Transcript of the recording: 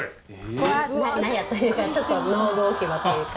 ここは納屋というかちょっと農具置き場というか。